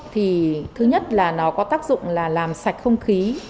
thì thứ nhất là nó có tác dụng là làm sạch không khí